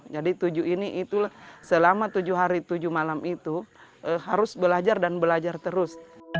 jadi tujuh ini itu selama tujuh hari tujuh malam itu harus belajar dan belajar terus